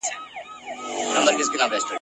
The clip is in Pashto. نور یې هېر سو چل د ځان د مړولو !.